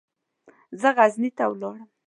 زه غزني ته ولاړم.